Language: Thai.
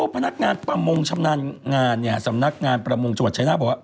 คือทางด้านเจ้าพนักงานสำนักงานประมงชนวทชัยน่าบ่